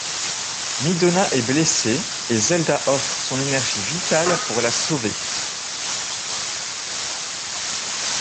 Midona est blessée, et Zelda offre son énergie vitale pour la sauver.